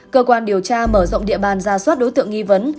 cơ quan điều tra mở rộng địa bàn ra soát đối tượng nghi vấn